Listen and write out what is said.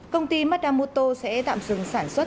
công ty madamoto sẽ tạm dừng sản xuất